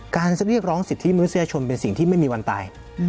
การเรียกร้องสิทธิมนุษยชนเป็นสิ่งที่ไม่มีวันตาย